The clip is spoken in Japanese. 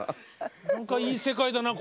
何かいい世界だな